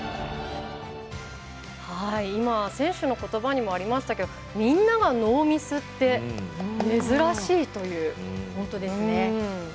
今、選手のことばにもありましたけれどみんながノーミスって珍しいということですね。